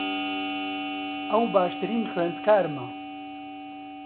ئەو باشترین خوێندکارمە.